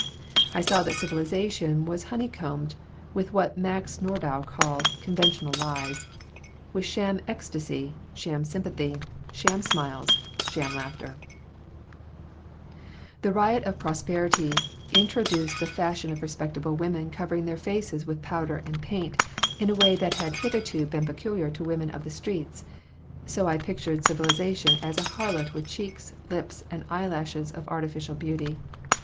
I saw that civilization was honeycombed with what Max Nordau called conventional lies, with sham ecstasy, sham sympathy, sham smiles, sham laughter The riot of prosperity introduced the fashion of respectable women covering their faces with powder and paint in a way that had hitherto been peculiar to women of the streets, so I pictured civilization as a harlot with cheeks, lips, and eyelashes of artificial beauty.